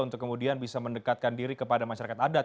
untuk kemudian bisa mendekatkan diri kepada masyarakat adat